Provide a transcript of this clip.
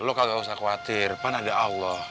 lo kagak usah khawatir depan ada allah